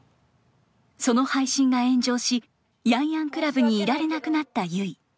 その配信が炎上しヤンヤンクラブにいられなくなったゆい。